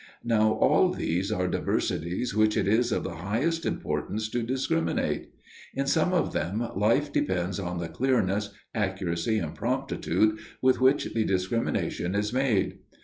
Now all these are diversities which it is of the highest importance to discriminate. In some of them, life depends on the clearness, accuracy, and promptitude, with which the discrimination is made.